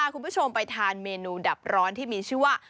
คุณผู้ชมไปทานเมนูดับร้อนที่มีชื่อว่า